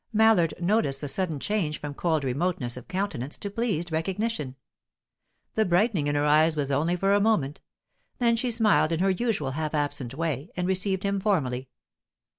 Mallard noticed the sudden change from cold remoteness of countenance to pleased recognition. The brightening in her eyes was only for a moment; then she smiled in her usual half absent way, and received him formally.